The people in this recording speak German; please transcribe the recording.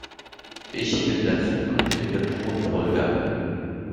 Ich bin der zukünftige Thronfolger.